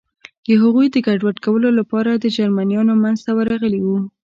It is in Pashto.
د هغوی د ګډوډ کولو لپاره د جرمنیانو منځ ته ورغلي و.